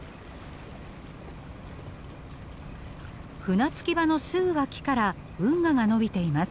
船着き場のすぐ脇から運河が延びています。